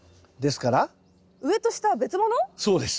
そうです。